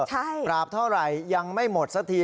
ใช่ปราบเท่าไหร่ยังไม่หมดสักที